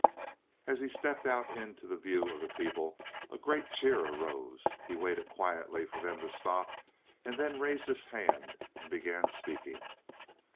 "As he stepped out into the view of the people, a great cheer arose. He waited quietly for them to stop, and then raised his hand and began speaking.